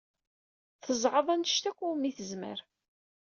Tezɛeḍ anect akk umi tezmer.